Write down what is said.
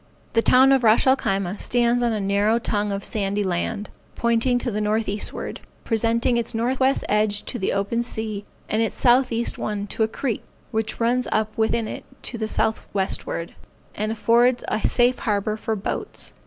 The town of Ras el Khyma stands on a narrow tongue of sandy land, pointing to the northeastward, presenting its northwest edge to the open sea, and its southeast one to a creek, which runs up within it to the southwestward, and affords a safe harbor for boats.